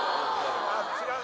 あぁ違う。